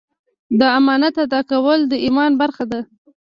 د امانت ادا کول د ایمان برخه ده.